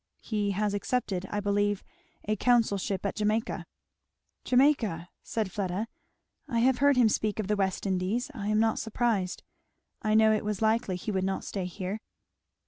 "He has accepted, I believe, a consulship at Jamaica." "Jamaica!" said Fleda. "I have heard him speak of the West Indies I am not surprised I know it was likely he would not stay here."